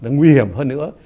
nguy hiểm hơn nữa